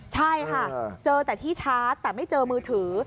ใช่ค่ะเจอแต่ที่ชาร์จแต่ไม่เจอมือถือ